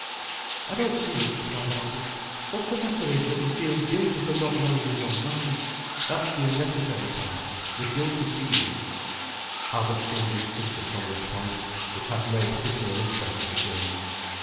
"I don't see it," replied Albert. "What's the matter is that he feels guilty for not knowing his own mind. That's the unnecessary part. The guilty feeling—" Albert seemed insistent on this point, which had no particular interest for James.